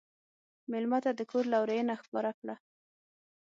مېلمه ته د کور لورینه ښکاره کړه.